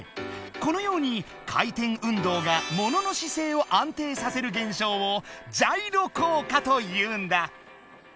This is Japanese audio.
このように回転運動がものの姿勢を安定させる現象を「ジャイロ効果」というんだ！